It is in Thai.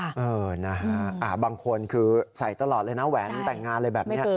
เออนะฮะบางคนคือใส่ตลอดเลยนะแหวนแต่งงานอะไรแบบนี้